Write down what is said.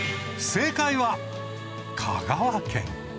正解は香川県。